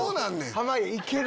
濱家いける！